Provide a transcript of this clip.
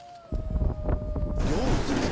凌雲先生？